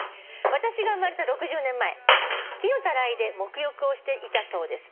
「私が生まれた６０年前木のタライで沐浴をしていたそうです」